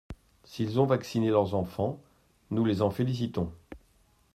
S’ils ont vacciné leurs enfants, nous les en félicitons.